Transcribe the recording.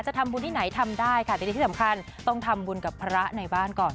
ทำบุญที่ไหนทำได้ค่ะแต่ดีที่สำคัญต้องทำบุญกับพระในบ้านก่อน